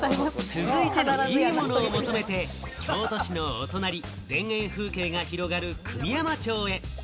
続いてのいいものを求めて京都市のお隣、田園風景が広がる久御山町へ。